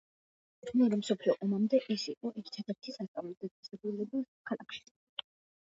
მეორე მსოფლიო ომამდე ეს იყო ერთადერთი სასწავლო დაწესებულება ქალაქში.